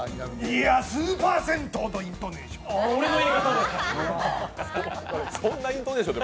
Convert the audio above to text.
いや、スーパー銭湯のイントネーション！